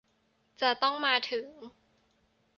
จะต้องมาถึง